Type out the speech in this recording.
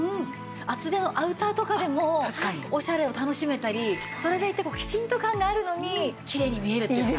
厚手のアウターとかでもオシャレを楽しめたりそれでいてきちんと感があるのにキレイに見えるっていうのが。